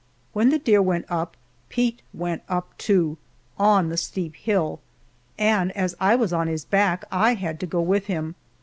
When the deer went up Pete went up, too, on the steep hill, and as I was on his back I had to go with him.